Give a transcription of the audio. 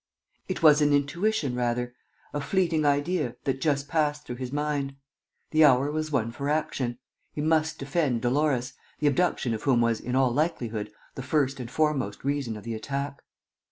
It was an intuition, rather, a fleeting idea, that just passed through his mind. The hour was one for action. He must defend Dolores, the abduction of whom was, in all likelihood, the first and foremost reason of the attack.